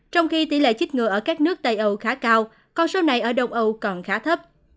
trong khi tỷ lệ chích ngừa ở các nước tây âu khá cao con số này ở đông âu còn khá thấp